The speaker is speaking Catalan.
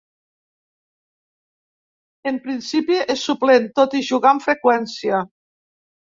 En principi és suplent, tot i jugar amb freqüència.